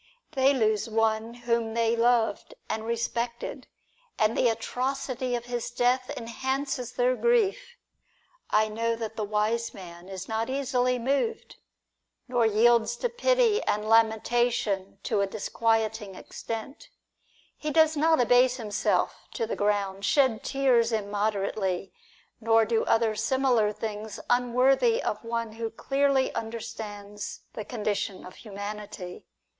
They lose one whom they loved and respected; and the atrocity of his death enhances their grief. I know that the wise man is not easily moved, nor yields to pity and lamentation to a disquieting extent; he does not abase himself to the ground, shed tears immoderately, nor do other similar things unworthy of one who clearly understands the condition of humanity.